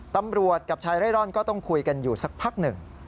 ตำรวจกับชายเร่ร่อนก็ต้องคุยกันอยู่สักพักหนึ่ง